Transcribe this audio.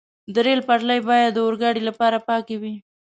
د ریل پټلۍ باید د اورګاډي لپاره پاکه وي.